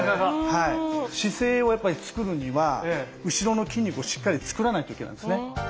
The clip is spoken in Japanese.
姿勢を作るには後ろの筋肉をしっかり作らないといけないんですね。